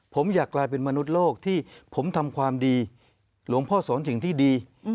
ผมอยากกลายเป็นมนุษย์โลกที่ผมทำความดีหลวงพ่อสอนสิ่งที่ดี